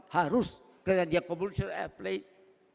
harus kena dia kompulsor air plate